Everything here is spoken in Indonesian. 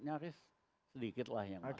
nyaris sedikit lah yang